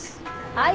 はい。